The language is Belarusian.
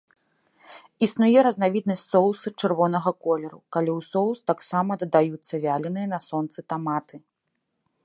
Існуе разнавіднасць соусу чырвонага колеру, калі ў соус таксама дадаюцца вяленыя на сонцы таматы.